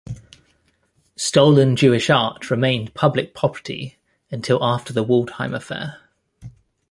Stolen Jewish art remained public property until after the Waldheim affair.